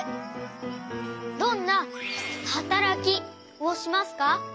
どんなはたらきをしますか？